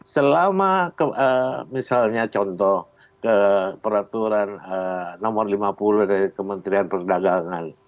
selama misalnya contoh ke peraturan nomor lima puluh dari kementerian perdagangan